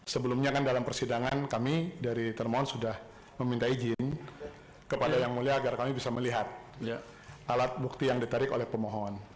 sebelumnya kan dalam persidangan kami dari termohon sudah meminta izin kepada yang mulia agar kami bisa melihat alat bukti yang ditarik oleh pemohon